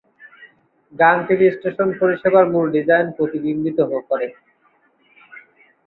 গং TV station পরিষেবার মূল ডিজাইন প্রতিবিম্বিত করে।